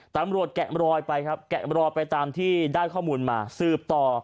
แกะรอยไปครับแกะรอยไปตามที่ได้ข้อมูลมาสืบต่อ